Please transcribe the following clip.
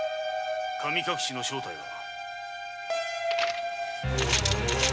神隠しの正体は！